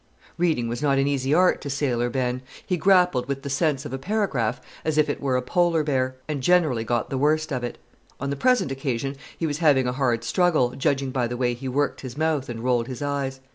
Reading was not an easy art to Sailor Ben; he grappled with the sense of a paragraph as if it were a polar bear, and generally got the worst of it. On the present occasion he was having a hard struggle, judging by the way he worked his mouth and rolled his eyes.